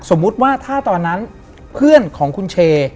สมมุติว่าถ้าตอนนั้นเพื่อนของคุณเช